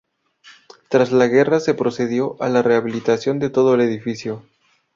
Tras la Guerra se procedió a la rehabilitación de todo el edificio.